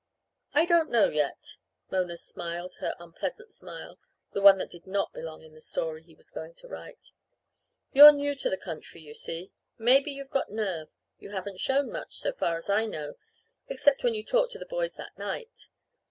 "I don't know yet." Mona smiled her unpleasant smile the one that did not belong in the story he was going to write. "You're new to the country, you see. Maybe you've got nerve; you haven't shown much, so far as I know except when you talked to the boys that night.